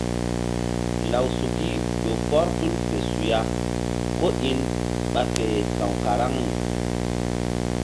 Lawsuki ƴo pɔr tul fe suya kó in ɓa fe sa̧w karaŋri.